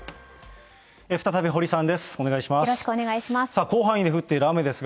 再び堀さんです。